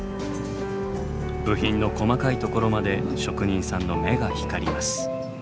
部品の細かいところまで職人さんの目が光ります。